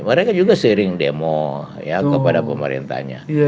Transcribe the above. mereka juga sering demo kepada pemerintahnya